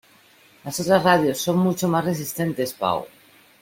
¡Las otras radios son mucho más resistentes, Pau!